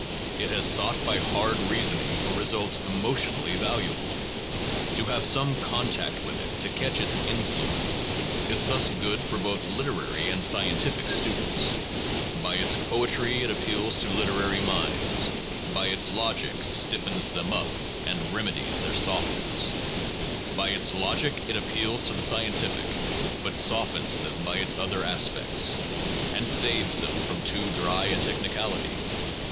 It has sought by hard reasoning for results emotionally valu able. To have some contact with it, to catch its influence, is thus good for both literary and scientific students. By its poetry it appeals to literary minds; but its logic stiffens them up 7 SOME PROBLEMS OF PHILOSOPHY and remedies their softness. By its logic it appeals to the scientific; but softens them by its other aspects, and saves them from too dry a technicality.